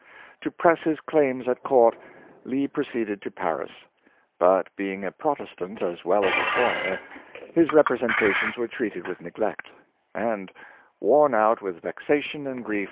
To press his claims at court, Lee proceeded to Paris; but, being a Protestant as well as a foreigner, his representations were treated with neglect; and, worn out with vexation and ^'^lo.